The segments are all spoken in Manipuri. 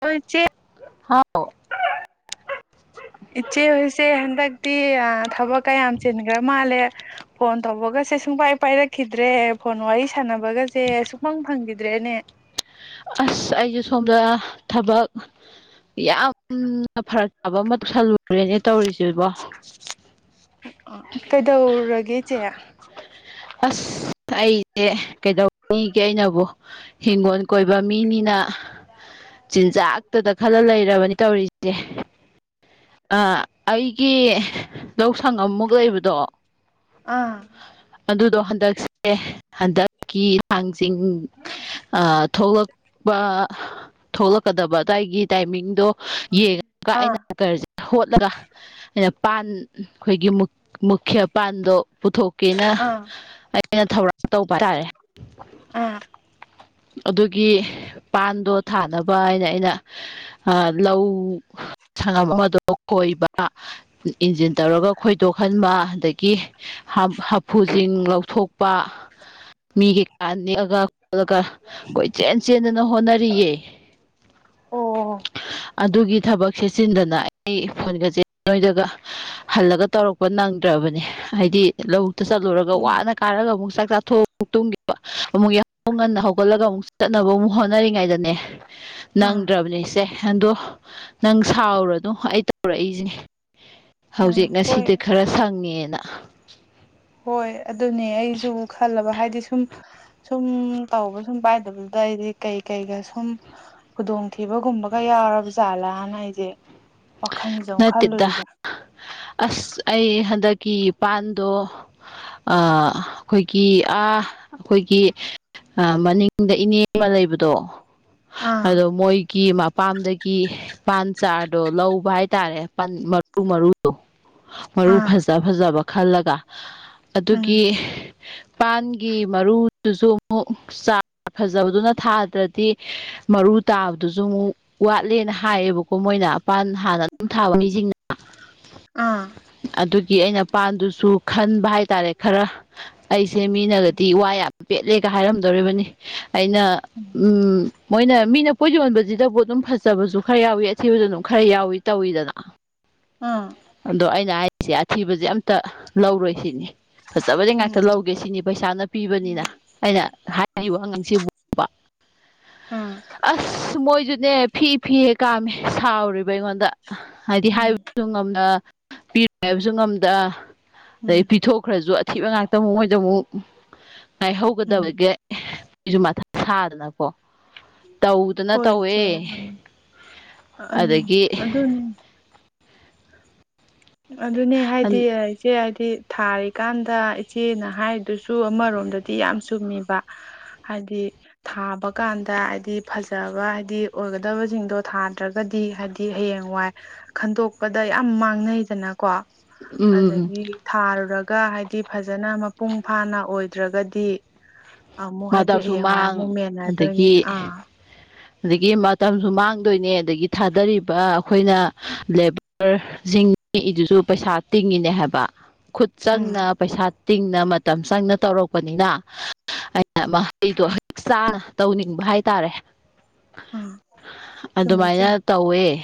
ꯑꯣꯏ ꯆꯦ ꯍꯥꯎ ꯏꯆꯦ ꯍꯣꯏꯁꯦ ꯍꯟꯗꯛꯇꯤ ꯊꯕꯛ ꯀꯌꯥꯝ ꯆꯤꯟꯈ꯭ꯔ ꯃꯥꯜꯂꯦ ꯐꯣꯟ ꯇꯧꯕꯒꯁꯦ ꯁꯨꯡꯄꯥꯏ ꯄꯥꯏꯔꯛꯈꯤꯗ꯭ꯔꯦ ꯐꯣꯟ ꯋꯥꯔꯤ ꯁꯥꯟꯅꯕꯒꯁꯦ ꯁꯨꯛꯃꯪ ꯐꯪꯈꯤꯗ꯭ꯔꯦꯅꯦ ꯑ ꯑꯩꯁꯦ ꯁꯣꯝꯗ ꯊꯕꯛ ꯌꯥꯝꯅ ꯐꯔꯛ ꯆꯥꯕ ꯑꯃ ꯇꯧꯁꯜꯂꯨꯔꯦꯅꯦ ꯇꯧꯔꯤꯁꯤꯕꯣ ꯑ ꯀꯩꯗꯧꯔꯒꯦ ꯏꯆꯦ ꯑꯁ ꯑꯩꯁꯦ ꯀꯩꯗꯧꯅꯤꯒꯦ ꯑꯩꯅꯕꯨ ꯍꯤꯡꯒꯣꯜ ꯀꯣꯏꯕꯥ ꯃꯤꯅꯤꯅ ꯆꯤꯟꯖꯥꯛꯇꯥꯗ ꯈꯂ ꯂꯩꯔꯕꯅꯤ ꯇꯧꯔꯤꯁꯦ ꯑ ꯑꯩꯒꯤ ꯂꯧ ꯁꯥꯉꯝ ꯃꯨꯛ ꯂꯩꯕꯗꯣ ꯑꯥ ꯑꯗꯨꯗꯣ ꯍꯟꯗꯛꯁꯦ ꯍꯟꯗꯛꯀꯤ ꯊꯥꯡꯖꯤꯡ ꯊꯣꯛꯂꯛꯄ ꯊꯣꯛꯂꯛꯀꯗꯕ ꯑꯗꯨꯋꯥꯏꯒꯤ ꯇꯥꯏꯃꯤꯡꯗꯣ ꯑꯥ ꯌꯦꯡꯉꯒꯥ [unintelligible] ꯍꯣꯠꯂꯒ ꯑꯩꯅ ꯄꯥꯟ ꯑꯩꯈꯣꯏꯒꯤ ꯃꯨꯈꯤꯌꯥ ꯄꯥꯟꯗꯣ ꯄꯨꯊꯣꯛ ꯀꯦꯅ ꯑꯥ ꯑꯩꯅ ꯊꯧꯔꯥꯡ ꯇꯧꯕ ꯍꯥꯏꯇꯥꯔꯦ ꯑꯥ ꯑꯗꯨꯒꯤ ꯄꯥꯟꯗꯣ ꯊꯥꯅꯕ ꯍꯥꯏꯅ ꯑꯩꯅ ꯂꯧ ꯁꯪꯉꯝ ꯑꯃꯗꯣ ꯈꯣꯏꯕ ꯏꯟꯖꯤꯟ ꯇꯧꯔꯒ ꯈꯣꯏꯗꯣꯛꯍꯟꯕ ꯑꯗꯒꯤ ꯍꯥꯐꯨꯁꯤꯡ ꯂꯧꯊꯣꯛꯄ ꯃꯤꯒꯤ ꯀꯥ ꯅꯦꯛꯑꯒ ꯑꯗꯨꯒꯥ ꯀꯣꯏꯆꯦꯟ ꯆꯦꯟꯗꯅ ꯍꯣꯠꯅꯔꯤꯌꯦ ꯑꯣ ꯑꯗꯨꯒꯤ ꯊꯕꯛ ꯁꯦꯠꯆꯤꯟꯗꯅ ꯑꯩ [unintelligible] ꯍꯜꯂꯒ ꯇꯧꯔꯛꯄ ꯅꯪꯗ꯭ꯔꯕꯅꯦ ꯍꯥꯏꯗꯤ ꯂꯧꯕꯨꯛꯇ ꯆꯠꯂꯨꯔꯒ ꯎꯝ ꯋꯥꯅ ꯀꯥꯔꯒ ꯑꯃꯨꯛ ꯆꯥꯛ ꯆꯥꯊꯣꯛ ꯑꯒ ꯇꯨꯝꯒꯤꯕꯥ ꯑꯃꯨꯛ ꯌꯥꯍꯧ ꯉꯟꯅ ꯍꯧ ꯍꯧꯒꯠꯂꯒ ꯑꯃꯨꯛ ꯆꯠꯅꯕ ꯑꯃꯨꯛ ꯍꯣꯠꯅꯔꯤꯉꯩꯗꯅꯦ ꯑꯥ ꯅꯪꯗ꯭ꯔꯕꯅꯦ ꯏꯆꯦ ꯑꯗꯣ ꯅꯪ ꯁꯥꯎꯔꯅꯣ ꯑꯩ ꯇꯧꯔꯛꯏꯁꯤꯅꯦ ꯑꯥ ꯍꯧꯖꯤꯛ ꯍꯣꯏ ꯉꯁꯤꯗꯤ ꯈꯔ ꯁꯪꯉꯦꯅ ꯍꯣꯏ ꯑꯗꯨꯅꯦ ꯑꯩꯁꯨ ꯈꯜꯂꯕ ꯍꯥꯏꯗꯤ ꯁꯨꯝ ꯁꯨꯝ ꯇꯧꯕ ꯁꯨꯝ ꯄꯥꯏꯗꯕꯗꯨꯗ ꯑꯩꯗꯤ ꯀꯩ ꯀꯩꯒ ꯁꯨꯝ ꯈꯨꯗꯣꯡꯊꯤꯕꯒꯨꯝꯕꯒ ꯌꯥꯎꯔꯕ ꯖꯥꯠꯂꯥꯅ ꯑꯩꯁꯦ ꯋꯥꯈꯟꯁ ꯑꯃꯨꯛ ꯅꯠꯇꯦꯗ ꯈꯜꯂꯨꯔꯤꯕ ꯑꯁ ꯑꯩ ꯍꯟꯗꯛꯀꯤ ꯏ ꯄꯥꯟꯗꯣ ꯑꯩꯈꯣꯏꯒꯤ ꯑꯥ ꯑꯩꯈꯣꯏꯒꯤ ꯃꯅꯤꯡꯗ ꯏꯅꯦ ꯑꯃ ꯂꯩꯕꯗꯣ ꯑꯥ ꯑꯗꯣ ꯃꯣꯏꯒꯤ ꯃꯄꯥꯝꯗꯒꯤ ꯄꯥꯟ ꯆꯥꯗꯣ ꯂꯧ ꯇꯧꯕ ꯍꯥꯏꯇꯥꯔꯦ ꯃꯔꯨ ꯃꯔꯨꯗꯣ ꯃꯔꯨ ꯑꯥ ꯐꯖ ꯐꯖꯕ ꯈꯜꯂꯒ ꯎꯝ ꯑꯗꯨꯒꯤ ꯄꯥꯟꯒꯤ ꯃꯔꯨꯗꯨꯁꯨ ꯑꯃꯨꯛ ꯆꯥ ꯐꯖꯕꯗꯨꯅ ꯊꯥꯗ꯭ꯔꯗꯤ ꯃꯔꯨ ꯇꯥꯕꯗꯨꯁꯨ ꯑꯃꯨꯛ ꯋꯥꯠꯂꯦꯅ ꯍꯥꯏꯌꯦꯕꯀꯣ ꯃꯣꯏꯅ ꯄꯥꯟ ꯍꯥꯟꯅ ꯗꯨꯝ ꯊꯥꯕ ꯃꯤꯁꯤꯡꯅ ꯑꯥ ꯑꯗꯨꯒꯤ ꯑꯩꯅ ꯄꯥꯟꯗꯨꯁꯨ ꯈꯟꯕ ꯍꯥꯏꯇꯥꯔꯦ ꯈꯔ ꯑꯩꯁꯦ ꯃꯤꯅꯒꯗꯤ ꯋꯥ ꯌꯥꯝ ꯄꯦꯠꯂꯦꯒ ꯍꯥꯏꯔꯝꯗꯣꯔꯤꯕꯅꯤ ꯑꯩꯅ ꯎꯝ ꯃꯣꯏꯅ ꯃꯤꯅ ꯄꯣꯠ ꯌꯣꯟꯕꯁꯤꯗꯕꯨ ꯑꯗꯨꯝ ꯐꯖꯕꯁꯨ ꯈꯔ ꯌꯥꯎꯏꯤ ꯑꯊꯤꯕꯗ ꯑꯗꯨꯝ ꯈꯔ ꯌꯥꯎꯏ ꯇꯧꯋꯤꯗꯅ ꯑꯥ ꯑꯗꯣ ꯑꯩꯅ ꯍꯥꯏꯔꯤꯁꯦ ꯑꯊꯤꯕꯁꯦ ꯑꯝꯇ ꯂꯧꯔꯣꯏ ꯁꯤꯅꯤ ꯐꯖꯕꯗꯤ ꯉꯥꯛꯇ ꯎꯝ ꯂꯧꯒꯦ ꯁꯤꯅꯤ ꯄꯩꯁꯥꯅ ꯄꯤꯕꯅꯤꯅ ꯑꯩꯅ ꯍꯥꯏꯔꯤꯕ ꯑꯉꯥꯡꯁꯤꯕꯨ ꯑꯥ ꯑꯁ ꯃꯣꯏꯁꯨꯅꯦ ꯐꯤ ꯐꯤ ꯀꯥꯝꯃꯦ ꯁꯥꯎꯔꯤꯕ ꯑꯩꯉꯣꯟꯗ ꯍꯥꯏꯗꯤ ꯍꯥꯏ ꯎꯝ ꯄꯤꯔꯣꯏ ꯍꯥꯏꯕꯁꯨ ꯉꯝꯗ꯭ꯔ ꯑꯗꯩ ꯎꯝ ꯄꯤꯊꯣꯛꯈ꯭ꯔꯁꯨ ꯊꯤꯕ ꯉꯥꯛꯇ ꯑꯃꯨꯛ ꯃꯣꯏꯗ ꯑꯃꯨꯛ ꯎꯝ ꯉꯥꯏꯍꯧꯒꯗꯕꯒꯤ ꯃꯤꯁꯨ ꯃꯊꯥ ꯁꯥꯗꯅ ꯀꯣ ꯇꯧꯗꯅ ꯇꯧꯋꯦ ꯑ ꯑꯗꯒꯤ ꯑꯗꯨꯗꯅꯦ ꯑꯗꯨꯅꯦ ꯍꯥꯏꯗꯤ ꯏꯆꯦ ꯍꯥꯏꯗꯤ ꯊꯥꯔꯤꯀꯥꯟꯗ ꯏꯆꯦꯅ ꯍꯥꯏꯔꯤꯗꯨꯁꯨ ꯑꯃꯔꯣꯝꯗꯗꯤ ꯌꯥꯝ ꯆꯨꯝꯃꯤꯕ ꯍꯥꯏꯗꯤ ꯊꯥꯕ ꯀꯥꯟꯗ ꯍꯥꯏꯗꯤ ꯐꯖꯕ ꯍꯥꯏꯗꯤ ꯑꯣꯏꯒꯗꯕꯁꯤꯡꯗꯣ ꯊꯥꯗ꯭ꯔꯒꯗꯤ ꯍꯥꯏꯗꯤ ꯍꯌꯦꯡꯋꯥꯏ ꯈꯟꯇꯣꯛꯄꯗ ꯌꯥꯝ ꯃꯥꯡꯅꯩꯗꯅꯀꯣ ꯎꯝ ꯑꯗꯒꯤ ꯊꯥꯔꯨꯔꯒ ꯍꯥꯏꯗꯤ ꯐꯖꯅ ꯃꯄꯨꯡ ꯐꯥꯅ ꯑꯣꯏꯗ꯭ꯔꯒꯗꯤ ꯑꯃꯨꯛ ꯍꯥꯏꯗꯤ ꯃꯇꯝꯁꯨ ꯍꯌꯦꯡꯋꯥꯏ ꯑꯃꯨꯛ ꯃꯦꯟꯅꯗꯣꯏꯅꯦ ꯑꯥ ꯎ ꯑꯗꯒꯤ ꯃꯇꯝꯁꯨ ꯃꯥꯡꯗꯣꯏꯅꯦ ꯑꯗꯒꯤ ꯊꯥꯗꯔꯤꯕ ꯑꯩꯈꯣꯏꯅ ꯂꯦꯕꯔ ꯤꯡ ꯏꯗꯨꯁꯨ ꯄꯩꯁꯥ ꯇꯤꯡꯉꯤꯅꯦ ꯍꯥꯏꯕ ꯈꯨꯠ ꯎꯝ ꯆꯪꯅ ꯄꯩꯁꯥ ꯇꯤꯡꯅ ꯃꯇꯝ ꯆꯪꯅ ꯇꯧꯔꯛꯄꯅꯤꯅ ꯃꯍꯩꯗꯣ ꯍꯛ ꯆꯥꯅ ꯇꯧꯅꯤꯡꯕ ꯍꯥꯏꯇꯥꯔꯦ ꯎꯝ ꯆꯨꯝꯃꯤ ꯑꯗꯨꯃꯥꯏꯅ ꯆꯨꯝꯃꯤ ꯇꯧꯋꯦ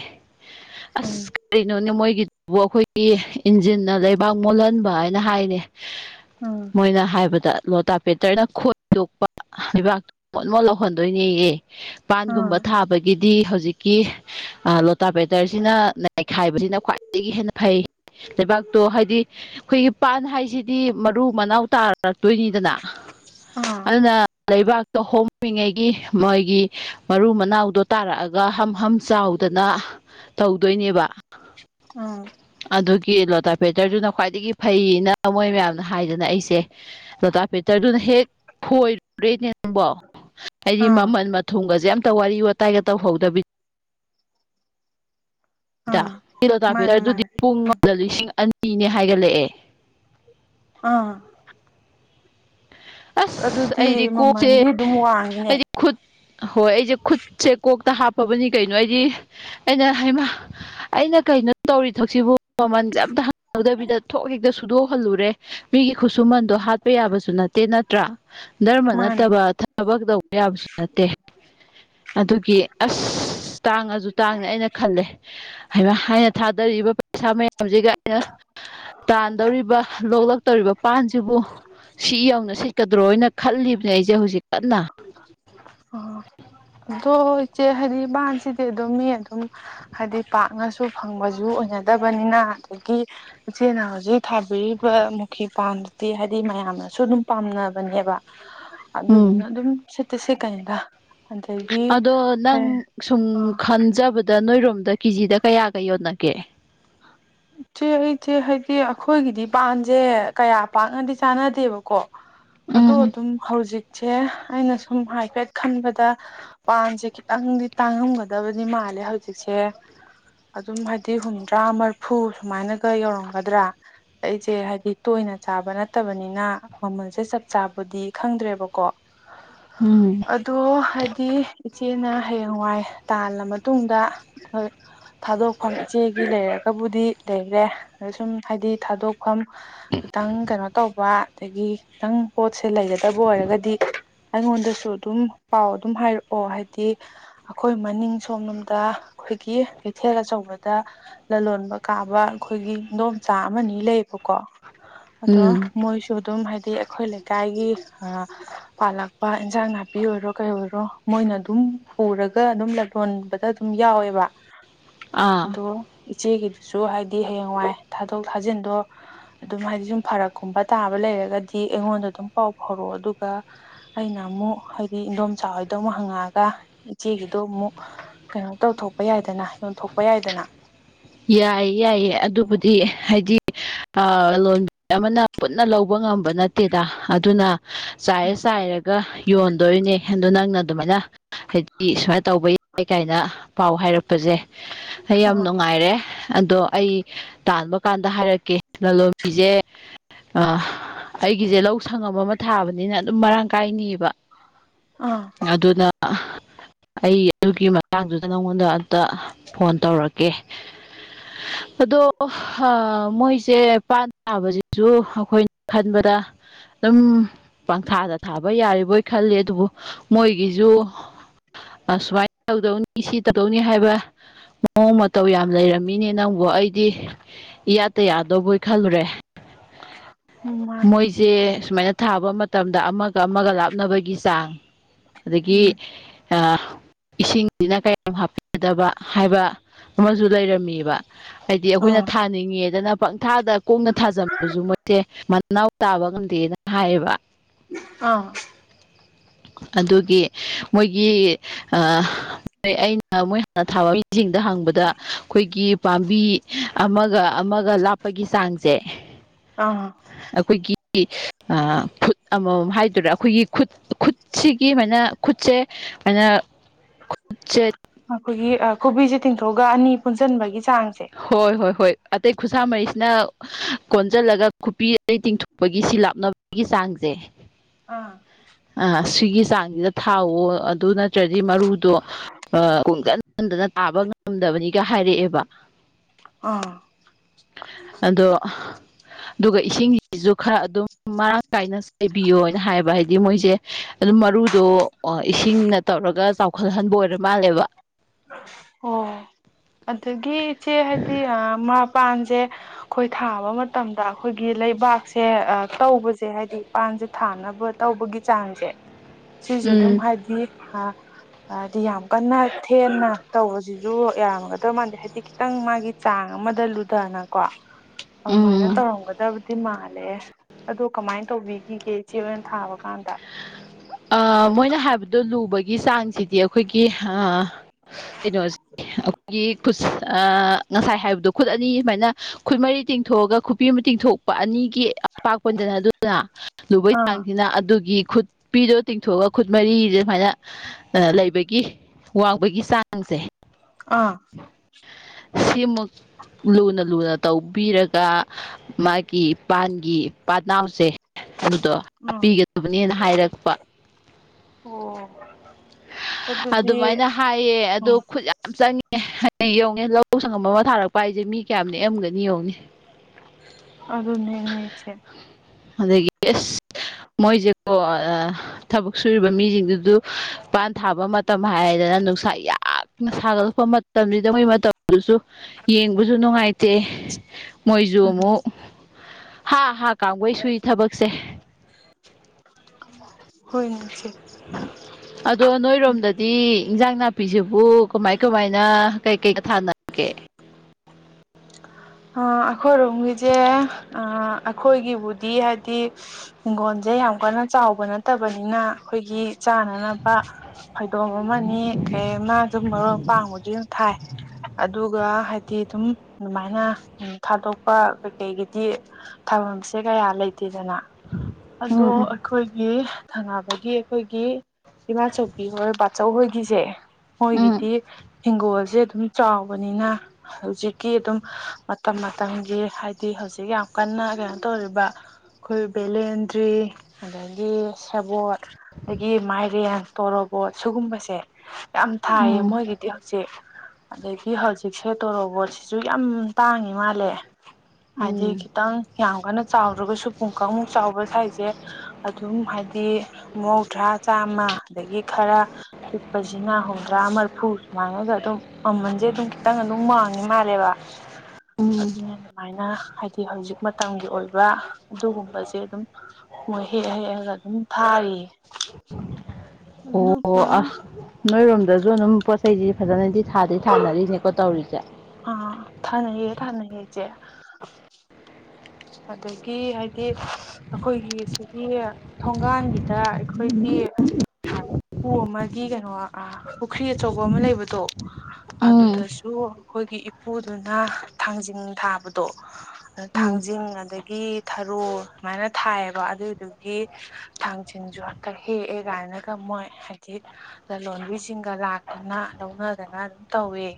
ꯎꯝ ꯑꯁ ꯀꯔꯤꯅꯣꯅꯦ ꯃꯣꯏꯒꯤꯗꯨꯕꯨ ꯑꯩꯈꯣꯏꯒꯤ ꯏꯟꯖꯤꯟꯅ ꯂꯩꯕꯥꯛ ꯃꯣꯜꯍꯟꯕ ꯍꯥꯏꯅ ꯍꯥꯏꯅꯦ ꯃꯣꯏꯅ ꯍꯥꯏꯕꯗ ꯂꯣꯇꯥ ꯄꯦꯇꯔꯅ ꯣꯛꯄ ꯂꯩꯕꯥꯛꯇ ꯃꯠ ꯃꯣꯠ ꯂꯧꯍꯟꯗꯣꯏꯅꯦꯌꯦ ꯄꯥꯟꯒꯨꯝꯕ ꯎꯝ ꯊꯥꯕꯒꯤ ꯗꯤ ꯍꯧꯖꯤꯛꯀꯤ ꯂꯣꯇꯥ ꯄꯦꯇꯔꯁꯤꯅ ꯅꯏꯈꯥꯏꯕꯁꯤꯅ ꯈ꯭ꯋꯥꯏꯗꯒꯤ ꯍꯦꯟꯅ ꯐꯩ ꯂꯩꯕꯥꯛꯇꯣ ꯍꯥꯏꯗꯤ ꯑꯩꯈꯣꯏꯒꯤ ꯄꯥꯟ ꯍꯥꯏꯁꯤꯗꯤ ꯃꯔꯨ ꯃꯅꯥꯎ ꯇꯥꯔꯛꯇꯣꯏꯅꯤꯗꯅ ꯑ ꯑꯗꯨꯅ ꯂꯩꯕꯥꯛꯇꯣ ꯍꯣꯡꯔꯤꯉꯩꯒꯤ ꯃꯣꯏꯒꯤ ꯃꯔꯨ ꯃꯅꯥꯎꯗꯣ ꯇꯥꯔꯛꯑꯒ ꯍꯝ ꯍꯝ ꯆꯥꯎꯗꯅ ꯇꯧꯗꯣꯏꯅꯦꯕ ꯑꯥ ꯑꯗꯨꯒꯤ ꯂꯣꯇꯥꯄꯦꯇꯔꯗꯨꯅ ꯈ꯭ꯋꯥꯏꯗꯒꯤ ꯐꯩꯅ ꯃꯣꯏ ꯃꯌꯥꯝꯅ ꯍꯥꯏꯗꯅ ꯑꯩꯁꯦ ꯂꯣꯇꯥꯄꯦꯇꯔꯗꯨꯅ ꯍꯦꯛ ꯐꯣꯏ ꯍꯥꯏꯗꯤ ꯑꯥ ꯃꯃꯜ ꯃꯊꯨꯝꯒꯁꯦ ꯑꯝꯇ ꯋꯥꯔꯤ ꯋꯥꯇꯥꯏꯒ ꯇꯧꯍꯧꯗꯕꯤ ꯗ ꯑꯥ ꯃꯥꯅꯦ ꯂꯣꯇꯥꯄꯦꯔꯗꯨꯗꯤ ꯃꯥꯅꯦ ꯄꯨꯡ ꯑꯥ ꯑꯃꯗ ꯂꯤꯁꯤꯡ ꯑꯅꯤꯅꯦ ꯍꯥꯏꯒꯠꯂꯛꯑꯦ ꯑꯥ ꯑꯁ ꯑꯗꯨꯗꯤ ꯑꯩꯗꯤ ꯀꯣꯛꯁꯦ ꯃꯃꯜꯗꯤ ꯑꯗꯨꯝ ꯋꯥꯡꯉꯤꯅꯦ ꯑꯩꯗꯤ ꯈꯨꯠ ꯍꯣꯏ ꯑꯩꯁꯦ ꯈꯨꯠꯁꯦ ꯀꯣꯛꯇ ꯍꯥꯞꯄꯕꯅꯤ ꯀꯩꯅꯣ ꯑꯩꯗꯤ ꯑꯩꯅ ꯍꯥꯏꯃ ꯑꯩꯅ ꯀꯩꯅꯣ ꯇꯧꯔꯤ ꯊꯛꯁꯤꯕꯨ ꯃꯃꯜꯁꯦ ꯑꯝꯇ ꯍ ꯧꯗꯕꯤꯗ ꯊꯣꯛ ꯍꯦꯛꯇ ꯁꯨꯗꯣꯛꯍꯜꯂꯨꯔꯦ ꯃꯤꯒꯤ ꯈꯨꯠꯁꯨꯃꯟꯗꯣ ꯍꯥꯠꯄ ꯌꯥꯕꯁꯨ ꯅꯠꯇꯦ ꯅꯠꯇ꯭ꯔꯥ ꯗꯔꯃ ꯃꯥꯅꯦ ꯅꯠꯇꯕ ꯊꯕꯛ ꯇꯧꯕ ꯌꯥꯕꯁꯨ ꯅꯠꯇꯦ ꯑꯗꯨꯒꯤ ꯑꯁ ꯇꯥꯡꯑꯁꯨ ꯇꯥꯡꯅꯦ ꯑꯩꯅ ꯈꯜꯂꯦ ꯍꯥꯏꯅ ꯊꯥꯗꯔꯤꯕ ꯄꯩꯁꯥ ꯃꯌꯥꯝꯁꯤꯒ ꯑꯩꯅ ꯇꯥꯟꯗꯧꯔꯤꯕ ꯂꯣꯛꯂꯛꯇꯧꯔꯤꯕ ꯄꯥꯟꯁꯤꯕꯨ ꯁꯤ ꯌꯧ ꯅ ꯁꯤꯠꯀꯗ꯭ꯔꯣ ꯅꯠꯇꯦ ꯈꯜꯂꯤꯕꯅꯦ ꯑꯩꯁꯦ ꯍꯧꯖꯤꯛ ꯀꯟꯅ ꯑꯣ ꯑꯗꯣ ꯏꯆꯦ ꯍꯥꯏꯗꯤ ꯕꯥꯥꯟꯁꯤꯗꯤ ꯑꯗꯨꯝ ꯃꯤ ꯑꯗꯨꯝ ꯍꯥꯏꯗꯤ ꯄꯥꯛꯅꯁꯨ ꯁꯨ ꯐꯪꯕꯁꯨ ꯑꯣꯏꯅꯗꯕꯅꯤꯅ ꯑꯗꯒꯤ ꯏꯆꯦꯅ ꯍꯧꯖꯤꯛ ꯊꯥꯕꯤꯔꯤꯕ ꯃꯨꯀꯤ ꯄꯥꯟꯗꯨꯗꯤ ꯍꯥꯏꯗꯤ ꯃꯌꯥꯝꯅꯁꯨ ꯑꯗꯨꯝ ꯄꯥꯝꯅꯕꯅꯦꯕ [unintelligible] ꯑꯗꯨꯗꯨꯅ ꯑꯗꯨꯝ ꯁꯤꯠꯇꯤ ꯁꯤꯠꯀꯅꯤꯗ ꯑꯗꯒꯤ ꯑꯗꯣ ꯅꯪ ꯑꯦ ꯁꯨꯝ ꯑꯥ ꯈꯟꯖꯕꯗ ꯑꯗ ꯅꯣꯏꯔꯣꯝꯗ ꯀꯦꯖꯤꯗ ꯀꯌꯥꯒ ꯌꯣꯟꯅꯒꯦ [unintelligible] ꯆꯦ ꯑꯩꯆꯦ ꯍꯥꯏꯗꯤ ꯑꯩꯈꯣꯏꯒꯤꯗꯤ ꯄꯥꯟꯁꯦ ꯀꯌꯥ ꯄꯥꯛꯅꯗꯤ ꯆꯥꯟꯅꯗꯦꯕꯀꯣ ꯑꯗꯣ ꯎꯝ ꯑꯗꯨꯝ ꯍꯧꯖꯤꯛꯁꯦ ꯑꯩꯅ ꯁꯨꯝ ꯍꯥꯏꯐꯦꯠ ꯈꯟꯕꯗ ꯄꯥꯟꯁꯦ ꯈꯤꯇꯪꯗꯤ ꯇꯥꯡꯉꯝꯒꯗꯕꯅꯤ ꯃꯥꯜꯂꯦ ꯍꯧꯖꯤꯛꯁꯦ ꯑꯗꯨꯝ ꯍꯥꯏꯗꯤ ꯍꯨꯝꯗ꯭ꯔꯥ ꯃꯔꯐꯨ ꯁꯨꯃꯥꯏꯅꯒ ꯌꯧꯔꯝꯒꯗ꯭ꯔꯥ ꯑꯩꯁꯦ ꯍꯥꯏꯗꯤ ꯇꯣꯏꯅ ꯆꯥꯕ ꯅꯠꯇꯕꯅꯤꯅ ꯃꯃꯜꯁꯦ ꯆꯞ ꯆꯥꯕꯗꯤ ꯈꯪꯗ꯭ꯔꯦꯕꯀꯣ [unintelligible] ꯑ ꯇꯣ ꯍꯥꯏꯗꯤ ꯏꯆꯦꯅ ꯍꯌꯦꯡꯋꯥꯏ ꯇꯥꯜꯂꯃꯇꯨꯡꯗ ꯊꯥꯗꯣꯛꯐꯝ ꯏꯆꯦꯒꯤ ꯂꯩꯔꯒꯕꯨꯗꯤ ꯂꯩꯔꯦ ꯑꯗꯁꯨꯝ ꯍꯥꯏꯕꯗꯤ ꯊꯥꯗꯣꯛꯐꯝ ꯈꯤꯇꯪ ꯀꯩꯅꯣ ꯇꯧꯕ ꯑꯗꯒꯤ ꯈꯤꯇꯪ ꯄꯣꯠꯁꯦ ꯂꯩꯒꯗꯕ ꯑꯣꯏꯔꯒꯗꯤ ꯑꯩꯉꯣꯟꯗꯁꯨ ꯑꯗꯨꯝ ꯄꯥꯎ ꯑꯗꯨꯝ ꯍꯥꯏꯔꯛꯑꯣ ꯍꯥꯏꯗꯤ ꯑꯩꯈꯣꯏ ꯃꯅꯤꯡ ꯁꯣꯝꯂꯣꯝꯗ ꯑꯩꯈꯣꯏꯒꯤ ꯀꯩꯊꯦꯜ ꯑꯆꯧꯕꯗ ꯂꯥꯂꯣꯟꯕ ꯀꯥꯕ ꯑꯩꯈꯣꯏꯒꯤ ꯏꯗꯣꯝꯆꯥ ꯑꯃꯅꯤ ꯂꯩꯕꯀꯣ ꯑꯗꯣ ꯎꯝ ꯃꯣꯏꯁꯨ ꯑꯗꯨꯝ ꯍꯥꯏꯗꯤ ꯑꯩꯈꯣꯏ ꯂꯩꯀꯥꯏꯒꯤ ꯑꯥ ꯄꯥꯜꯂꯛꯄ ꯏꯟꯖꯥꯡ ꯅꯥꯄꯤ ꯑꯣꯏꯔꯣ ꯀꯩ ꯑꯣꯏꯔꯣ ꯃꯣꯏꯅ ꯑꯗꯨꯝ ꯄꯨꯔꯒ ꯑꯗꯨꯝ ꯂꯥꯂꯣꯟꯕꯗ ꯑꯗꯨꯝ ꯌꯥꯎꯋꯦꯕ ꯑꯥ ꯑꯗꯣ ꯏꯆꯦꯒꯤꯗꯨꯁꯨ ꯍꯥꯏꯗꯤ ꯍꯌꯦꯡꯋꯥꯏ ꯊꯥꯗꯣꯛ ꯊꯥꯖꯤꯟꯗꯣ ꯑꯗꯨꯝ ꯍꯥꯏꯗꯤ ꯁꯨꯝ ꯐꯔꯛꯀꯨꯝꯕ ꯇꯥꯕ ꯂꯩꯔꯒꯗꯤ ꯑꯩꯉꯣꯟꯗ ꯑꯗꯨꯝ ꯄꯥꯎ ꯐꯥꯎꯔꯛꯑꯣ ꯑꯗꯨꯒ ꯑꯩꯅ ꯑꯃꯨꯛ ꯍꯥꯏꯗꯤ ꯏꯟꯗꯣꯝꯆꯥ ꯍꯣꯏꯗꯣ ꯑꯃꯨꯛ ꯍꯪꯉꯛꯑꯒ ꯏꯆꯦꯒꯤꯗꯣ ꯑꯃꯨꯛ ꯀꯩꯅꯣ ꯇꯧꯊꯣꯛꯄ ꯌꯥꯏꯗꯅ ꯌꯣꯟꯊꯣꯛꯄ ꯌꯥꯏꯗꯅ ꯌꯥꯏꯌꯦ ꯌꯥꯏꯌꯦ ꯑꯗꯨꯕꯨꯗꯤ ꯍꯥꯏꯗꯤ ꯑ ꯂꯣꯟꯕꯤ ꯑꯃꯅ ꯄꯨꯟꯅ ꯂꯧꯕ ꯉꯝꯕ ꯅꯠꯇꯦꯗ ꯑꯗꯨꯅ ꯆꯥꯏꯔ ꯆꯥꯏꯔꯒ ꯌꯣꯟꯗꯣꯏꯅꯦ ꯑꯗꯣ ꯅꯪꯅ ꯑꯗꯨꯃꯥꯏꯅ ꯍꯥꯏꯗꯤ ꯁꯨꯃꯥꯏꯅ ꯇꯧꯕ ꯌꯥꯏ ꯀꯥꯏꯅ ꯄꯥꯎ ꯍꯥꯏꯔꯛꯄꯁꯦ ꯑꯩ ꯌꯥꯝ ꯑꯥ ꯅꯨꯡꯉꯥꯏ ꯉꯥꯏꯔꯦ ꯑꯗꯣ ꯑꯩ ꯇꯥꯟꯕ ꯀꯥꯟꯗ ꯍꯥꯏꯔꯛꯀꯦ ꯂꯂꯣꯟꯕꯤꯖꯦ ꯑ ꯑꯩꯒꯤꯖꯦ ꯂꯧ ꯁꯪꯉꯝ ꯑꯃ ꯊꯥꯕꯅꯤꯅ ꯑꯗꯨꯝ ꯃꯔꯥꯡ ꯀꯥꯏꯅꯤꯕ ꯑꯥ ꯑꯗꯨꯅ ꯑꯩ ꯑꯗꯨꯒꯤ ꯃꯇꯥꯡꯗꯨꯗ ꯅꯪꯉꯣꯟꯗ ꯑꯝꯇ ꯐꯣꯟ ꯇꯧꯔꯛꯀꯦ ꯀꯦ ꯑꯗꯣ ꯑ ꯃꯣꯏꯁꯦ ꯄꯥꯟ ꯇꯥꯕꯁꯤꯁꯨ ꯑꯩꯈꯣꯏꯅ ꯈꯟꯕꯗ ꯑꯗꯨꯝ ꯄꯪꯊꯥꯗ ꯊꯥꯕ ꯌꯥꯔꯤꯕꯣꯏ ꯈꯜꯂꯤ ꯑꯗꯨꯕꯨ ꯃꯣꯏꯒꯤꯖꯨ ꯑ ꯁꯨꯃꯥꯏ ꯇꯧꯗꯧꯅꯤ ꯁꯤ ꯇꯧꯗꯧꯅꯤ ꯍꯥꯏꯕ ꯃꯑꯣꯡ ꯃꯇꯧ ꯌꯥꯝ ꯂꯩꯔꯝꯃꯤꯅꯦ ꯅꯪꯕꯨ ꯑꯩꯗꯤ ꯏꯌꯥꯗ ꯌꯥꯗꯧꯕꯣꯏ ꯈꯜꯂꯨꯔꯦ ꯃꯥ ꯃꯣꯏꯁꯦ ꯁꯨꯃꯥꯏꯅ ꯊꯥꯕ ꯃꯇꯝꯗ ꯑꯃꯒ ꯑꯃꯒ ꯂꯥꯞꯅꯕꯒꯤ ꯆꯥꯡ ꯎꯝ ꯑꯗꯒꯤ ꯏꯁꯤꯡꯖꯤꯅ ꯀꯌꯥꯝ ꯍꯥꯞꯄꯤꯒꯗꯕ ꯍꯥꯏꯕ ꯑꯃꯖꯨ ꯂꯩꯔꯝꯃꯦꯕ ꯍꯥꯏꯗꯤ ꯑꯩꯈꯣꯏꯅ ꯑꯥ ꯊꯥꯅꯤꯡꯉꯦꯗꯅ ꯄꯪꯊꯥꯗ ꯀꯨꯡꯅ ꯊꯥꯖꯟꯕꯁꯨ ꯃꯣꯏꯁꯦ ꯃꯅꯥꯎ ꯇꯥꯕ ꯉꯝꯗꯦꯅ ꯍꯥꯏꯌꯦꯕ ꯑꯥ [unintelligible] ꯑꯗꯨꯒꯤ ꯃꯣꯏꯒꯤ ꯑꯩꯅ ꯃꯣꯏ ꯍꯥꯟꯅ ꯊꯥꯕ ꯃꯤꯁꯤꯡ ꯑꯗ ꯍꯪꯕꯗ ꯑꯩꯈꯣꯏꯒꯤ ꯄꯥꯝꯕꯤ ꯑꯃꯒ ꯑꯃꯒ ꯂꯥꯞꯄꯒꯤ ꯆꯥꯡꯖꯦ ꯑꯥ ꯑꯩꯈꯣꯏꯒꯤ ꯑ ꯐꯨꯠ ꯑꯃꯃꯝ ꯍꯥꯏꯗꫭꯏꯔ ꯑꯩꯈꯣꯏꯒꯤ ꯈꯨꯠ ꯈꯨꯠꯁꯤꯒꯤ ꯃꯥꯥꯏꯅ ꯈꯨꯠꯁꯦ ꯃꯥꯏꯅ ꯆꯠ ꯑꯩꯈꯣꯏꯒꯤ ꯈꯨꯕꯤꯁꯦ ꯇꯤꯡꯊꯣꯛꯑꯒ ꯑꯅꯤ ꯄꯨꯟꯁꯟꯕꯒꯤ ꯆꯥꯡꯁꯦ ꯍꯣꯏ ꯍꯣꯏ ꯍꯣꯏ ꯑꯇꯩ ꯈꯨꯠꯁꯥ ꯃꯔꯤꯁꯤꯅ ꯀꯣꯟꯖꯜꯂꯒ ꯈꯨꯄꯤ ꯑꯇꯩ ꯇꯤꯡꯊꯣꯛꯄꯒꯤ ꯁꯤ ꯂꯥꯞꯅꯕꯒꯤ ꯆꯥꯡꯖꯦ ꯑꯥ ꯑ ꯁꯤꯒꯤ ꯆꯥꯡꯖꯤꯗ ꯊꯥꯎꯋꫭ ꯑꯗꯨ ꯅꯠꯇ꯭ꯔꯗꯤ ꯃꯔꯨꯗꯣ ꯑ ꯀꯨꯡꯖꯟ ꯃꯟꯗꯅ ꯊꯥꯕ ꯉꯝꯗꯕꯅꯤꯒ ꯍꯥꯏꯔꯛꯑꯦꯕ ꯑꯥ ꯑꯗꯣ ꯑꯗꯨꯒ ꯏꯁꯤꯡꯁꯤꯁꯨ ꯈꯔ ꯑꯗꯨꯝ ꯃꯔꯥꯡ ꯀꯥꯏꯅ ꯆꯥꯏꯕꯤꯌꯣꯅ ꯍꯥꯏꯕ ꯍꯥꯏ ꯍꯥꯏꯗꯤ ꯃꯣꯏꯁꯦ ꯑꯗꯨꯝ ꯃꯔꯨꯗꯣ ꯏꯁꯤꯡꯅ ꯇꯧꯔꯒ ꯆꯥꯎꯈꯠꯍꯟꯕ ꯑꯣꯏꯔ ꯃꯥꯜꯂꯦꯕ ꯑꯣ ꯑꯗꯒꯤ ꯏꯆꯦ ꯍꯥꯏꯗꯤ ꯃꯄꯥꯟꯖꯦ ꯑꯩꯈꯣꯏ ꯊꯥꯕ ꯃꯇꯝꯗ ꯑꯩꯈꯣꯏꯒꯤ ꯂꯩꯕꯥꯛꯁꯦ ꯇꯧꯕꯁꯦ ꯍꯥꯏꯗꯤ ꯄꯥꯟꯁꯦ ꯊꯥꯅꯕ ꯇꯧꯕꯒꯤ ꯆꯥꯡꯁꯦ [unintelligible] ꯁꯤꯁꯦ ꯑꯗꯨꯝ ꯍꯥꯏꯗꯤ ꯍꯥꯏꯗꯤ ꯌꯥꯝ ꯀꯟꯅ ꯊꯦꯅ ꯇꯧꯕꯁꯤꯁꯨ ꯌꯥꯔꯝꯃꯒꯗꯧ ꯃꯥꯥꯟꯗꯦ ꯍꯥꯏꯗꯤ ꯈꯤꯇꯪ ꯃꯥꯒꯤ ꯆꯥꯡ ꯑꯃꯗ ꯂꯨꯊꯅꯀꯣ ꯑꯗꯨꯃꯥꯏꯅ ꯎꯝ ꯇꯧꯔꯝꯒꯗꯕꯗꯤ ꯃꯥꯜꯂꯦ ꯑꯗꯣ ꯀꯃꯥꯏꯅ ꯇꯧꯕꯤꯈꯤꯒꯦ ꯏꯆꯦ ꯑꯣꯏꯅ ꯊꯥꯕ ꯀꯥꯟꯗ ꯑꯥ ꯃꯣꯏꯅ ꯍꯥꯏꯕꯗꯣ ꯂꯨꯕꯒꯤ ꯆꯥꯡꯁꯤꯗꯤ ꯑꯩꯈꯣꯏꯒꯤ ꯀꯩꯅꯣꯁꯦ ꯑꯩꯈꯣꯏꯒꯤ ꯉꯁꯥꯏ ꯍꯥꯏꯕꯗꯣ ꯈꯨꯠ ꯑꯅꯤ ꯁꯨꯃꯥꯏꯅ ꯈꯨꯠ ꯃꯔꯤ ꯇꯤꯡꯊꯣꯛꯑꯒ ꯅꯨꯄꯤ ꯑꯃ ꯇꯤꯡꯊꯣꯛꯄ ꯑꯅꯤꯒꯤ ꯑꯄꯥꯛꯄꯗꯅ ꯑꯗꯨꯅ ꯂꯨꯕꯩ ꯑꯥ ꯆꯥꯡꯁꯤꯅ ꯑꯗꯨꯒꯤ ꯈꯨꯠ ꯄꯤꯗꯣ ꯇꯤꯡꯊꯣꯛꯑꯒ ꯈꯨꯠ ꯃꯔꯤꯁꯦ ꯁꯨꯃꯥꯏꯅ ꯂꯩꯕꯒꯤ ꯋꯥꯡꯕꯒꯤ ꯆꯥꯡꯁꯦ ꯑꯥ ꯁꯤꯃꯨꯛ ꯂꯨꯅ ꯂꯨꯅ ꯇꯧꯕꯤꯔꯒ ꯃꯥꯒꯤ ꯄꯥꯟꯒꯤ ꯄꯅꯥꯎꯁꯦ ꯑꯗꯨꯗꯣ ꯎꯝ ꯍꯥꯞꯄꯤꯒꯗꯕꯅꯦꯅ ꯍꯥꯏꯔꯛꯄ ꯑꯣ ꯑꯗꯨꯗꯤ ꯑꯗꯨꯃꯥꯏꯅ ꯍꯥꯏꯌꯦ ꯎꯝ ꯑꯗꯣ ꯈꯨꯠ ꯌꯥꯝ ꯆꯪꯉꯦ ꯍꯌꯦꯡ ꯌꯦꯡꯉꯦ ꯂꯧ ꯁꯪꯉꯝ ꯑꯃ ꯊꯥꯔꯛꯄ ꯍꯥꯏꯁꯦ ꯃꯤ ꯀꯌꯥꯝ ꯅꯦꯛꯑꯝꯒꯅꯤ ꯌꯦꯡꯎꯅꯦ ꯑꯗꯨꯅ ꯏꯆꯦ ꯑꯗꯒꯤ ꯑꯁ ꯃꯣꯏꯖꯦ ꯀꯣ ꯊꯕꯛ ꯁꯨꯔꯤꯕ ꯃꯤꯁꯤꯡꯗꯨꯁꯨ ꯄꯥꯟ ꯊꯥꯕ ꯃꯇꯝ ꯍꯥꯏꯔꯦꯗꯅ ꯅꯨꯡꯁꯥ ꯌꯥꯝ ꯁꯥꯒꯠꯂꯛꯄ ꯃꯇꯝꯁꯤꯗ ꯑꯩꯈꯣꯏ ꯃꯇꯝ ꯑꯗꯨꯁꯨ ꯌꯦꯡꯕꯁꯨ ꯅꯨꯡꯉꯥꯏꯇꯦ ꯃꯣꯏꯁꯨ ꯎꯝ ꯑꯃꯨꯛ ꯍꯥꯥ ꯍꯥ ꯀꯥꯝꯒꯩ ꯁꯨꯏ ꯊꯕꯛꯁꯦ ꯍꯣꯏꯅꯦ ꯏꯆꯦ ꯑꯗꯣ ꯅꯣꯏꯔꯣꯝꯗꯗꯤ ꯏꯟꯖꯥꯡ ꯅꯥꯄꯤꯁꯤꯕꯨ ꯀꯃꯥꯏ ꯀꯃꯥꯏꯅ ꯀꯩ ꯀꯩꯒ ꯊꯥꯅꯒꯦ ꯑꯩꯈꯣꯏꯔꯣꯝꯒꯤꯁꯦ ꯑꯩꯈꯣꯏꯒꯤꯕꯨꯗꯤ ꯍꯥꯏꯗꯤ ꯍꯤꯡꯒꯣꯟꯁꯦ ꯌꯥꯝ ꯀꯟꯅ ꯆꯥꯎꯕ ꯅꯠꯇꯕꯅꯤꯅ ꯑꯩꯈꯣꯏꯒꯤ ꯆꯥꯅꯅꯕ ꯐꯩꯗꯣꯝ ꯑꯃꯅꯤ ꯀꯩ ꯑꯃ ꯑꯗꯨꯝ ꯃꯔꯣꯏ ꯃꯄꯥꯡꯗꯤ ꯑꯗꯨꯝ ꯊꯥꯏ ꯑꯗꯨꯒ ꯍꯥꯏꯗꯤ ꯑꯗꯨꯝ ꯑꯗꯨꯃꯥꯏꯅ ꯎꯝ ꯊꯥꯗꯣꯛꯄ ꯀꯩꯀꯩꯒꯤꯗꯤ ꯊꯥꯐꯝꯁꯦ ꯀꯌꯥ ꯂꯩꯇꯦꯗꯅ ꯑꯗꯣ ꯎꯝ ꯑꯩꯈꯣꯏꯒꯤ ꯊꯪꯅꯕꯒꯤ ꯑꯩꯈꯣꯏꯒꯤ ꯏꯃꯥꯆꯧꯕꯤ ꯍꯣꯏ ꯕꯥꯆꯧ ꯍꯣꯏꯒꯤꯁꯦ ꯎꯝ ꯃꯣꯏꯒꯤꯗꯤ ꯍꯤꯡꯒꯣꯜꯁꯦ ꯑꯗꯨꯝ ꯆꯥꯎꯕꯅꯤꯅ ꯍꯧꯖꯤꯛ ꯀꯤ ꯑꯗꯨꯝ ꯃꯇꯝ ꯃꯇꯝꯒꯤ ꯍꯥꯏꯗꯤ ꯍꯧꯖꯤꯛ ꯌꯥꯝ ꯀꯟꯅ ꯀꯩꯅꯣ ꯇꯧꯔꯤꯕ ꯑꯩꯈꯣꯏ ꯕꯦꯂꯦꯟꯗ꯭ꯔꯤ ꯑꯗꯒꯤ ꯁꯦꯕꯣꯠ ꯑꯗꯒꯤ ꯃꯥꯏꯔꯦꯟ ꯇꯣꯔꯣꯕꯣꯠ ꯁꯤꯒꯨꯝꯕꯁꯦ ꯌꯥꯝ ꯊꯥꯏꯌꯦ ꯎꯝ ꯃꯣꯏꯒꯤꯗꯤ ꯍꯧꯖꯤꯛ ꯑꯗꯒꯤ ꯍꯧꯖꯤꯛꯁꯦ ꯇꯣꯔꯣꯕꯣꯠ ꯁꯨ ꯌꯥꯝ ꯇꯥꯡꯉꯤ ꯃꯥꯜꯂꯦ ꯍꯥꯏꯗꯤ ꯎꯝ ꯈꯤꯇꯪ ꯌꯥꯝ ꯀꯟꯅ ꯆꯥꯎꯗ꯭ꯔꯒꯁꯨ ꯄꯨꯡꯀꯃꯨꯛ ꯆꯥꯎꯕ ꯁꯥꯏꯖꯦ ꯑꯗꯨꯝ ꯍꯥꯏꯗꯤ ꯃꯧꯗ꯭ꯔꯥ ꯆꯥꯝꯃ ꯑꯗꯒꯤ ꯈꯔ ꯄꯤꯛꯄꯁꯤꯅ ꯍꯨꯝꯗ꯭ꯔꯥ ꯃꯔꯐꯨ ꯁꯨꯃꯥꯏꯅꯒ ꯑꯗꯨꯝ ꯃꯃꯟꯁꯦ ꯑꯗꯨꯝ ꯈꯤꯇꯪ ꯑꯗꯨꯝ ꯋꯥꯡꯉꯤ ꯃꯥꯂꯦ ꯕ ꯎꯝ ꯑꯗꯨꯅ ꯑꯗꯨꯃꯥꯏꯅ ꯍꯥꯏ ꯍꯧꯖꯤꯛ ꯃꯇꯝꯒꯤ ꯑꯣꯏꯕ ꯑꯗꯨꯒꯨꯝꯕꯁꯦ ꯑꯗꯨꯝ ꯃꯣꯏ ꯍꯦꯛꯑ ꯍꯦꯛꯑꯒ ꯑꯗꯨꯝ ꯊꯥꯔꯤꯌꯦ ꯑꯣ ꯑꯣ ꯑꯗꯨꯒ ꯑꯁ ꯅꯣꯏꯔꯣꯝꯗꯁꯨ ꯑꯗꯨꯝ ꯄꯣꯠꯆꯩꯖꯤ ꯐꯖꯅꯗꯤ ꯊꯥꯗꯤ ꯊꯥꯅꯔꯤꯅꯦꯀꯣ ꯇꯧꯔꯤꯖꯦ ꯑ ꯊꯥꯅꯩꯌꯦ ꯊꯥꯅꯩꯌꯦ ꯆꯦ ꯑꯥꯗꯒꯤ ꯍꯥꯏꯗꯤ ꯑꯩꯈꯣꯏꯒꯤ ꯁꯤꯒꯤ ꯊꯣꯡꯒꯥꯟꯒꯤꯗ ꯑꯩꯈꯣꯏꯒꯤ ꯏꯄꯨ ꯑꯃꯒꯤ ꯀꯩꯅꯣ ꯑ ꯄꯨꯈ꯭ꯔꯤ ꯑꯆꯧꯕ ꯑꯃ ꯂꯩꯕꯗꯣ ꯎꯝ ꯑꯗꯨꯗꯁꯨ ꯑꯩꯈꯣꯏꯒꯤ ꯏꯄꯨꯗꯨꯅ ꯊꯥꯡꯖꯤꯡ ꯊꯥꯕꯗꯣ ꯎꯝ ꯊꯥꯡ ꯖꯤꯡ ꯑꯗꯒꯤ ꯊꯔꯣ ꯁꯨꯃꯥꯏꯅ ꯊꯥꯏꯌꯦꯕ ꯑꯗꯨꯗꯨꯒꯤ ꯊꯥꯡꯖꯤꯡꯖꯨ ꯍꯦꯛꯑꯦ ꯀꯥꯏꯅꯒ ꯃꯣꯏ ꯍꯥꯏꯗꯤ ꯂꯂꯣꯟꯕꯤꯁꯤꯡꯒ ꯂꯥꯛꯇꯅ ꯂꯧꯅꯗꯅ ꯇꯧꯋꯦ